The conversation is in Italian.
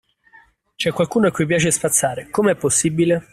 C'è qualcuno a cui piace spazzare, com'è possibile?